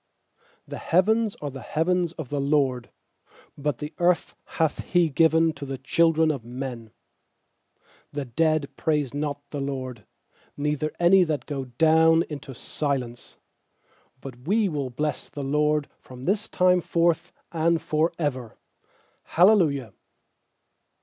16The heavens are the heavens of the LORD: But the earth hath He given to th< children of men. 17The dead praise not the LORD, Neither any that go down intc silence; 18But we will bless the LORD From this time forth and for ever. Hallelujah.